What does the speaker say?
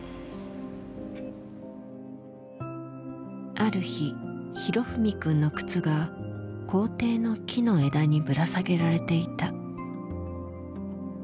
ある日裕史くんの靴が校庭の木の枝にぶら下げられていた。